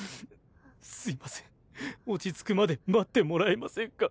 すいません落ち着くまで待ってもらえませんか。